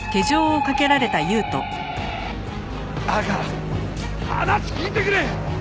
だから話聞いてくれ！